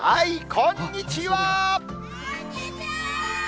こんにちは。